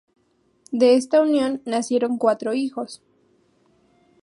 De esta unión, nacieron cuatro hijos.